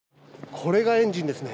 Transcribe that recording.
これがエンジンですね。